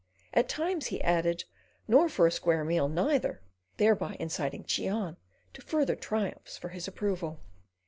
At times he added: "Nor for a square meal neither," thereby inciting Cheon to further triumphs for his approval.